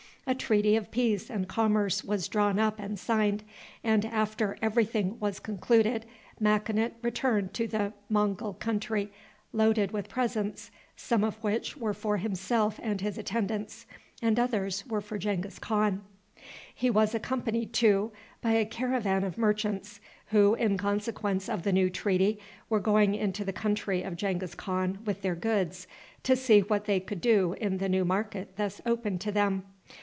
A treaty of peace and commerce was drawn up and signed, and, after every thing was concluded, Makinut returned to the Mongul country loaded with presents, some of which were for himself and his attendants, and others were for Genghis Khan. He was accompanied, too, by a caravan of merchants, who, in consequence of the new treaty, were going into the country of Genghis Khan with their goods, to see what they could do in the new market thus opened to them.